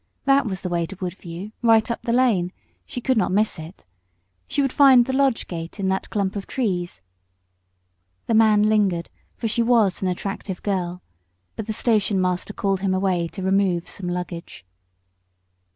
That was the way to Woodview, right up the lane. She could not miss it. She would find the lodge gate in that clump of trees. The man lingered, for she was an attractive girl, but the station master called him away to remove some luggage.